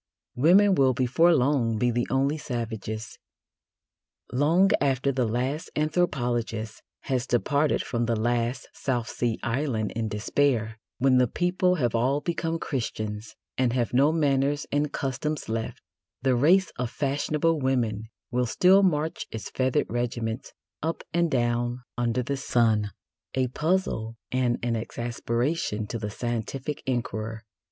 Women will before long be the only savages. Long after the last anthropologist has departed from the last South Sea Island in despair, when the people have all become Christians and have no manners and customs left, the race of fashionable women will still march its feathered regiments up and down under the sun, a puzzle and an exasperation to the scientific inquirer.